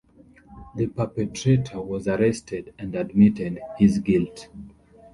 The perpetrator was arrested and admitted his guilt.